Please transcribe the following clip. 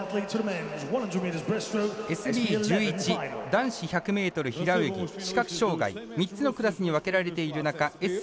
ＳＢ１１、男子１００ｍ平泳ぎ視覚障がい３つのクラスに分けられている中